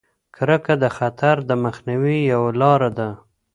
کرکه د خطر د مخنیوي یوه لاره ده.